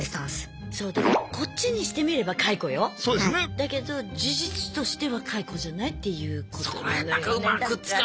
だけど事実としては解雇じゃないっていうことなのよね。